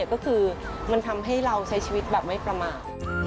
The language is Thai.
ก็คือมันทำให้เราใช้ชีวิตแบบไม่ประมาท